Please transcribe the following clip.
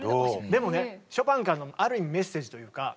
でもねショパンからのある意味メッセージというか。